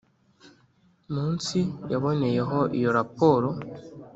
munsi yaboneyeho iyo raporo